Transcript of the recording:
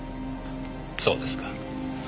そうですか。